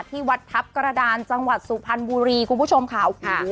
ที่วัดทัพกระดานจังหวัดสุภัณฑ์บรีคุณผู้ชมค่ะ